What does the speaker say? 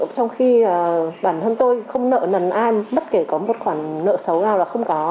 trong khi bản thân tôi không nợ nần an bất kể có một khoản nợ xấu nào là không có